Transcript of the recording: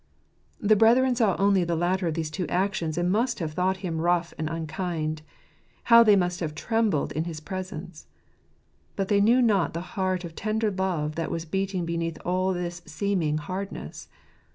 The brethren saw only the latter of these two actions, and must have thought him rough and unkind. How they must have trembled in his presence ! But they knew not the heart of tender love that was beating beneath all this seeming hardness.